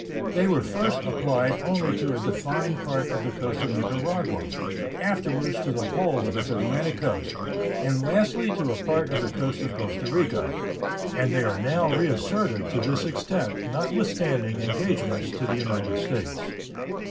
They were first applied only to a defined part of the coast of Nicaragua, afterwards to the whole of its Atlantic coast, and lastly to a part of the coast of Costa Rica, and they are now reasserted to this extent notwithstanding engagements to the United States.